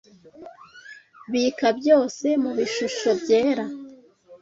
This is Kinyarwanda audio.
bika byose mubishusho byera